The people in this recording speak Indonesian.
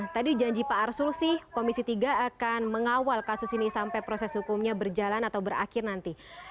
tadi janji pak arsul sih komisi tiga akan mengawal kasus ini sampai proses hukumnya berjalan atau berakhir nanti